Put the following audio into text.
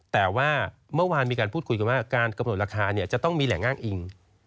แต่ว่าเมื่อวานมีการพูดคุยกันว่าการกำหนดราคาจะต้องมีแหล่งอ้างอิง